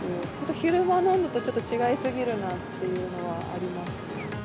昼間の温度と違いすぎるなというのはあります。